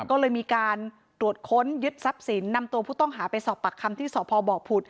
ก็เลยมีการตรวจค้นยึดทรัพย์สินนำตัวผู้ต้องหาไปสอบปากคำที่สพบผุด